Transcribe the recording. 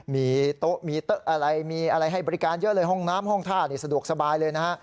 มีโต๊ะมีโต๊ะอะไรมีอะไรให้บริการเยอะเลยห้องน้ำห้องท่านี่สะดวกสบายเลยนะฮะ